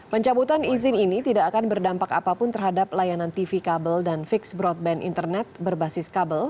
pencabutan izin ini tidak akan berdampak apapun terhadap layanan tv kabel dan fixed broadband internet berbasis kabel